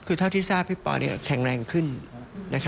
คือที่ทราบใช่ปค่ะแข็งแรงขึ้น